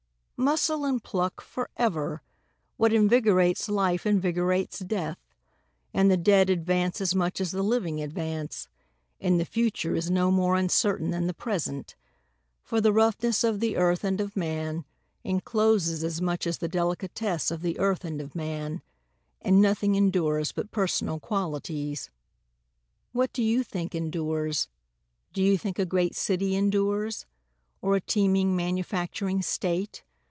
4 Muscle and pluck forever! What invigorates life invigorates death, And the dead advance as much as the living advance, And the future is no more uncertain than the present, For the roughness of the earth and of man encloses as much as the delicatesse of the earth and of man, And nothing endures but personal qualities. What do you think endures? Do you think a great city endures? Or a teeming manufacturing state?